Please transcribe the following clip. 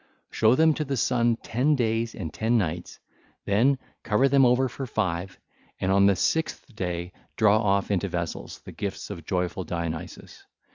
Show them to the sun ten days and ten nights: then cover them over for five, and on the sixth day draw off into vessels the gifts of joyful Dionysus.